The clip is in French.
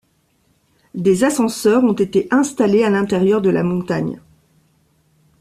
Des ascenseurs ont été installés à l'intérieur de la montagne.